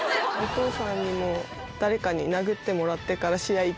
お父さんにも、誰かに殴ってもらってから試合